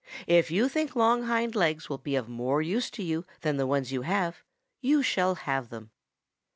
'If you think long hind legs will be of more use to you than the ones you have, you shall have them.'